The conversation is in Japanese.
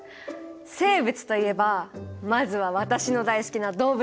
生物といえばまずは私の大好きな動物！